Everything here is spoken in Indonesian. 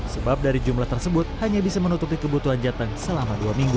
sebab dari jumlah tersebut hanya bisa menutupi kebutuhan jateng selama dua minggu